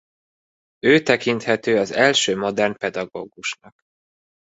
Ő tekinthető az első modern pedagógusnak.